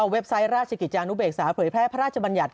ไซต์ราชกิจจานุเบกษาเผยแพร่พระราชบัญญัติ